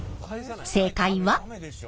正解は？